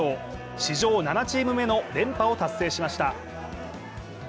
史上７チーム目の連覇を達成しました。